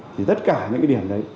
thì tất cả những cái điểm đấy